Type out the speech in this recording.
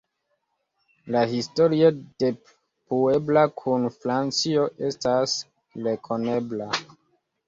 La historio de Puebla kun Francio estas rekonebla.